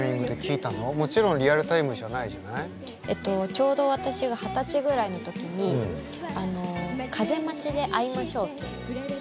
ちょうど私が二十歳ぐらいの時に「風街であひませう」っていう。